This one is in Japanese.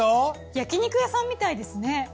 焼き肉屋さんみたいですね。